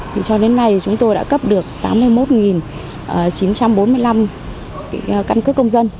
thì cho đến nay chúng tôi đã cấp được tám mươi một chín trăm bốn mươi năm căn cước công dân